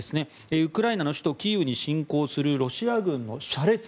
ウクライナの首都キーウに侵攻するロシア軍の車列。